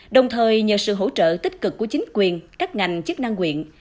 đồng thời nhờ sự hỗ trợ tích cực của chính quyền các ngành chức năng quyện